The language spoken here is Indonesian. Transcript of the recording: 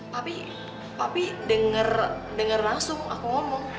papi papi denger denger langsung aku ngomong